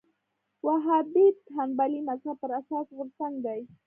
وهابیت حنبلي مذهب پر اساس غورځنګ دی